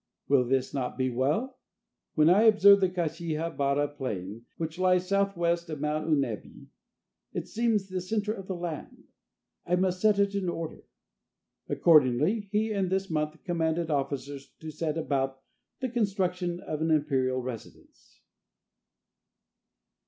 Will this not be well? When I observe the Kashiha bara plain, which lies southwest of Mount Unebi, it seems the centre of the land. I must set it in order." Accordingly, he, in this month, commanded officers to set about the construction of an imperial residence.